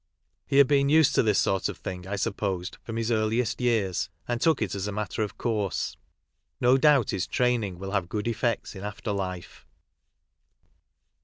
He had been used to this sort of thing, I supposed, from his earliest years, and took it as a matter of course. No doubt his training will have good effects in after life.